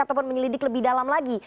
ataupun menyelidik lebih dalam lagi